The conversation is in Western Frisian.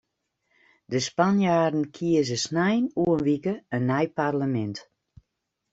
De Spanjaarden kieze snein oer in wike in nij parlemint.